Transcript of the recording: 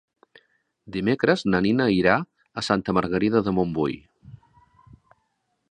Dimecres na Nina irà a Santa Margarida de Montbui.